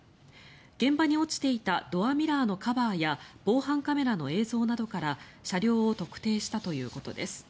現場に落ちていたドアミラーのカバーや防犯カメラの映像などから車両を特定したということです。